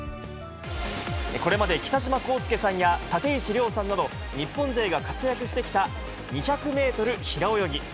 これまで北島康介さんや立石諒さんなど、日本勢が活躍してきた２００メートル平泳ぎ。